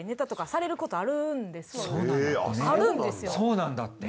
そうなんだってね。